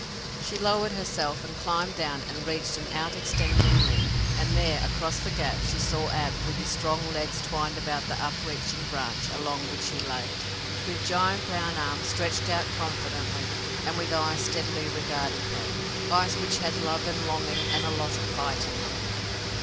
She lowered herself and climbed down and reached an out extending limb, and there, across the gap, she saw Ab with his strong legs twined about the uprearing branch along which he laid, with giant brown arms stretched out confidently and with eyes steadily regarding her, eyes which had love and longing and a lot of fight in them.